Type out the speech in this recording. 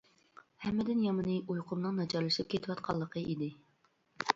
ھەممىدىن يامىنى ئۇيقۇمنىڭ ناچارلىشىپ كېتىۋاتقانلىقى ئىدى.